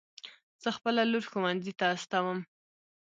زه خپله لور ښوونځي ته استوم